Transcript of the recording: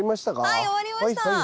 はい終わりました。